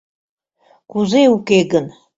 - Кузе уке гын!